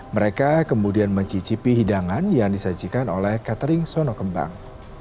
mereka kemudian mencicipi hidangan yang disajikan oleh catering sono kembang